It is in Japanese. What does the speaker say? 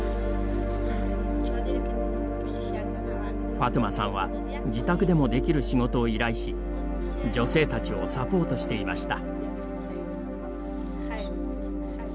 ファトゥマさんは自宅でもできる仕事を依頼し女性たちをサポートしていました。